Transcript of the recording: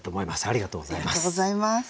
ありがとうございます。